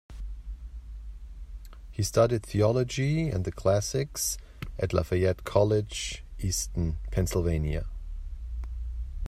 He studied theology and the classics at Lafayette College, Easton, Pennsylvania.